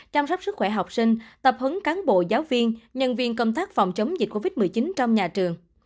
chăm sóc sức khỏe học sinh tập hứng cán bộ giáo viên nhân viên công tác phòng chống dịch covid một mươi chín trong nhà trường